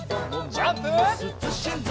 ジャンプ！